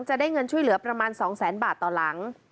จะได้เงินช่วยเหลือประมาณ๒แสนบาทต่อหลัง